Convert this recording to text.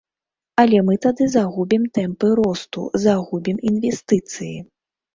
Але мы тады загубім тэмпы росту, загубім інвестыцыі.